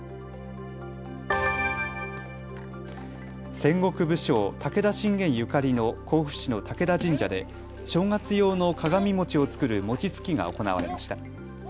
戦国武将、武田信玄ゆかりの甲府市の武田神社で正月用の鏡餅を作る餅つきが行われました。